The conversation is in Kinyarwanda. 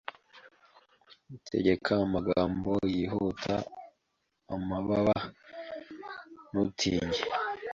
Tegeka amagambo yihuta amababa ntutinye